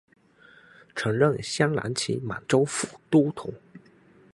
曾任镶蓝旗满洲副都统。